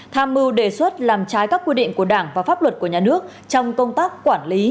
tham mưu đề xuất làm trái các quy định của đảng và pháp luật của nhà nước trong công tác quản lý